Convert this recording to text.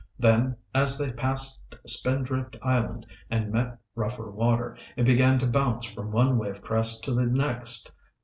Then, as they passed Spindrift Island and met rougher water, it began to bounce from one wave crest to the next.